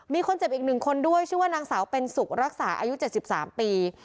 มีคนเจ็บอีก๑คนด้วยชื่อว่านางสาวเป็นสุขรักษาอายุ๗๓ปี